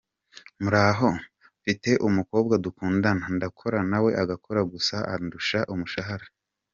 Muraho? Mfite umukobwa dukundana, ndakora na we agakora gusa andusha umushahara .